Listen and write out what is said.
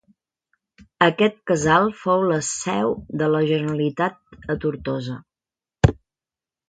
Aquest casal fou la seu de la Generalitat a Tortosa.